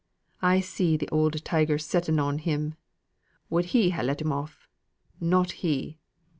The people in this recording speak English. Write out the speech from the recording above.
I see th' oud tiger setting on him! would he ha' let him off? Not he!"